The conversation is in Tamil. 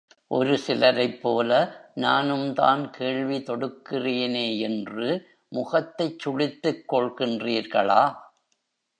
ஒரு சிலரை ப்போல, நானும்தான் கேள்வி தொடுக்கிறேனே என்று முகத்தைச் சுளித்துக்கொள்கின்றீர்களா?